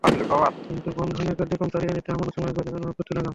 কিন্তু বন্ধনের কার্যক্রম চালিয়ে নিতে আমানত সংগ্রহের প্রয়োজনীয়তা অনুভব করতে লাগলাম।